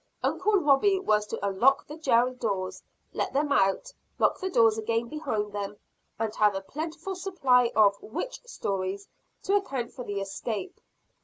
Uncle Robie was to unlock the jail doors, let them out, lock the doors again behind them, and have a plentiful supply of witch stories to account for the escape.